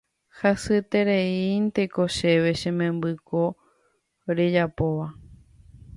Hasyetereínteko chéve che memby ko rejapóva